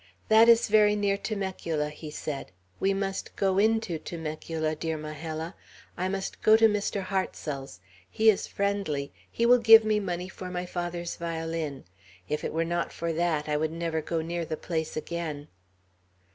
"That is very near Temecula," he said. "We must go into Temecula, dear Majella. I must go to Mr. Hartsel's. He is friendly. He will give me money for my father's violin. If it were not for that, I would never go near the place again."